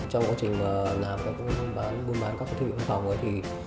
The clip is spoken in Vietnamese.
trong quá trình làm các công bán buôn bán các thiết bị công phòng ấy thì